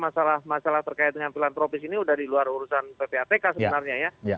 masalah masalah terkait dengan filantropis ini sudah di luar urusan ppatk sebenarnya ya